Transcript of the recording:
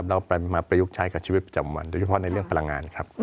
เรามาประยุกต์ใช้กับชีวิตประจำวันโดยเฉพาะในเรื่องพลังงานครับ